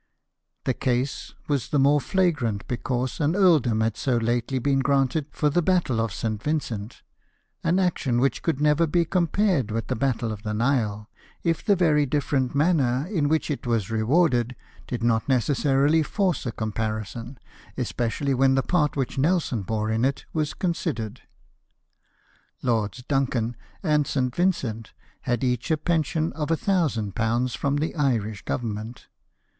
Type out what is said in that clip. The case was the more flagrant because an earldom had so lately been granted for the battle of St. Vincent — an action which could never be compared with the battle of the Nile, if the very different manner in which it was rewarded did not necessarily force a comparison, especially when the part which Nelson bore in it was considered. Lords Duncan and St. Vincent had each a pension of £1,000 from the Irish Government.